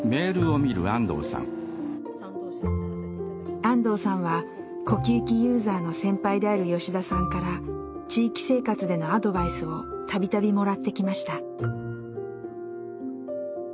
安藤さんは呼吸器ユーザーの先輩である吉田さんから地域生活でのアドバイスを度々もらってきました。